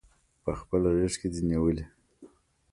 پخپل غیږ کې دی نیولي